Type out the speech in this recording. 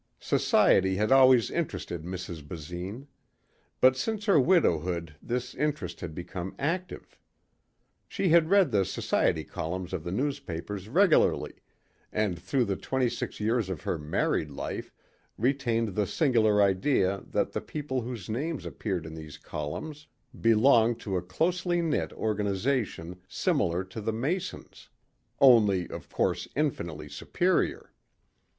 Society had always interested Mrs. Basine. But since her widowhood this interest had become active. She had read the society columns of the newspapers regularly and through the twenty six years of her married life retained the singular idea that the people whose names appeared in these columns belonged to a closely knit organization similar to the Masons only of course, infinitely superior.